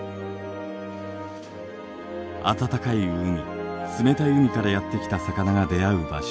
暖かい海冷たい海からやって来た魚が出会う場所。